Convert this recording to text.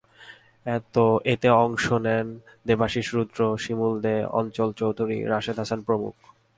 এতে অংশ নেন দেবাশিস রুদ্র, শিমুল দে, অঞ্চল চৌধুরী, রাশেদ হাসান প্রমুখ।